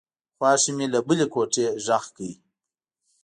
خواښې مې له بلې کوټې غږ کړ.